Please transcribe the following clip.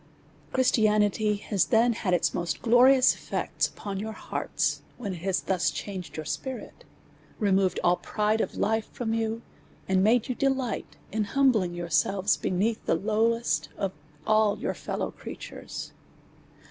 Christianity has then had its most glorious eftects upon your hearts, when it has thus changed your spirit^ removed all the pride of life from you, and made you delight in humbling* yourselves beneath the lowest of all your fellow creatures.